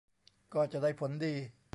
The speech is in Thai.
ก็จะได้ผลดี